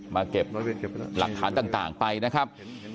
เก็บหลักฐานต่างไปนะครับ